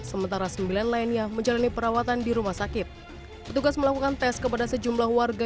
sementara sembilan lainnya menjalani perawatan di rumah sakit petugas melakukan tes kepada sejumlah warga